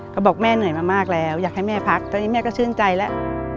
บอกแม่เหนื่อยมามากแล้วอยากให้แม่พักตอนนี้แม่ก็ชื่นใจแล้ว